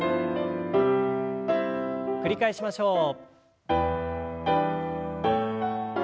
繰り返しましょう。